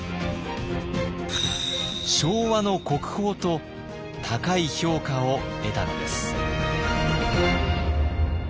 昭和の国宝と高い評価を得たのです。